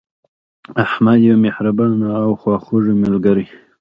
احمد یو مهربانه او خواخوږی ملګری